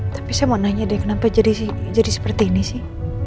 tapi saya mau nanya deh kenapa jadi seperti ini sih